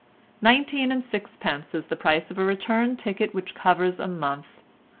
Nineteen and sixpence is the price of a return ticket which covers a month.